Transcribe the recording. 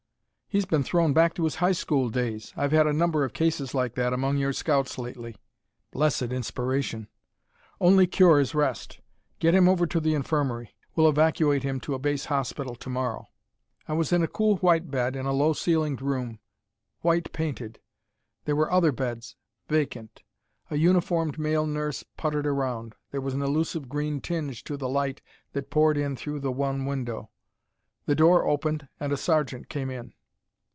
"He's been thrown back to his high school days. I've had a number of cases like that among your scouts lately." Blessed inspiration! "Only cure is rest. Get him over to the infirmary. We'll evacuate him to a base hospital to morrow." I was in a cool white bed, in a low ceilinged room, white painted. There were other beds, vacant. A uniformed male nurse puttered around. There was an elusive green tinge to the light that poured in through the one window. The door opened and a sergeant came in.